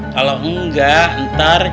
kalau enggak ntar jadikan